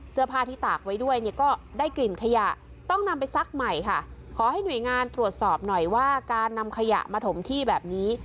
เสื้อผ้าที่ตากไว้ด้วยเนี่ยก็ได้กลิ่นขยะต้องนำไปซักใหม่ค่ะขอให้หน่วยงานตรวจสอบหน่อยว่าการนำขยะมาถมที่แบบนี้